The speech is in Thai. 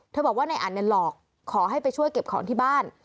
บอกว่านายอันเนี่ยหลอกขอให้ไปช่วยเก็บของที่บ้าน